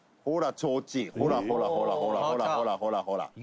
「ほらほらほらほら」